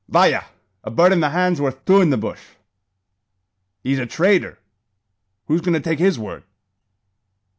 "Vaya! A bird in the hand's worth two in the bush." "He's a trader. Who's goin' to take his word?"